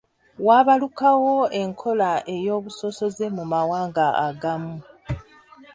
Waabalukawo enkola ey’obusosoze mu mawanga agamu.